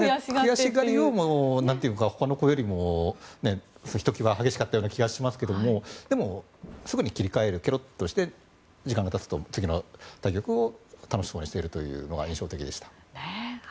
悔しがり様もほかの子よりもひときわ激しかった気もしますがすぐに切り替えてケロッとして時間がたつと次の対局を楽しそうにしているというのが印象的でした。